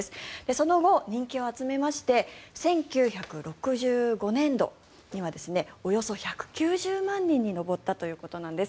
その後、人気を集めまして１９６５年度にはおよそ１９０万人に上ったということなんです。